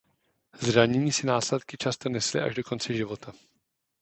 Zranění si následky často nesli až do konce života.